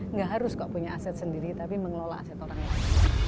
nggak harus kok punya aset sendiri tapi mengelola aset orang lain